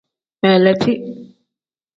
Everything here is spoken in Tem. Beeliti.